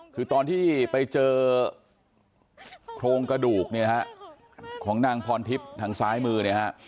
คือตอนที่ไปเจอโครงกระดูกของนางพรทิพย์ทางซ้ายมือ